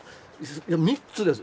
いや３つです。